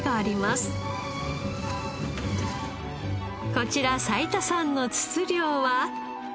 こちら齋田さんの筒漁は。